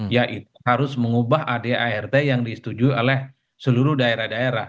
ya itu harus mengubah ad art yang disetujui oleh seluruh daerah daerah